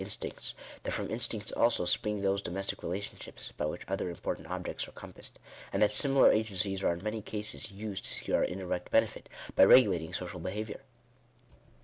instincts; that from instincts also, spring those domestic re v lationships by which other important objects are compassed — and that similar agencies are in many cases used to secure , our indirect benefit, by regulating social behaviour.